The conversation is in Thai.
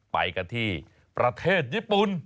ไปกันที่ประเทศญี่ปุ่น